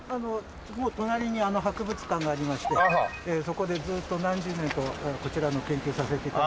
隣に博物館がありましてそこでずっと何十年とこちらの研究をさせて頂いて。